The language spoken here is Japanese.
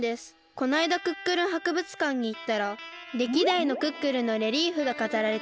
こないだクックルンはくぶつかんにいったられきだいのクックルンのレリーフがかざられてて。